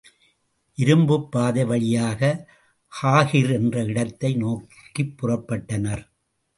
இருப்புப் பாதை வழியாகக் காஹிர் என்ற இடத்தை நோக்கிப் புறப்பட்டனர்.